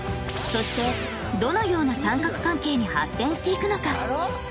そしてどのような三角関係に発展していくのか？